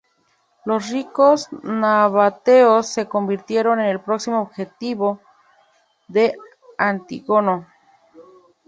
Los ricos nabateos se convirtieron en el próximo objetivo de Antígono.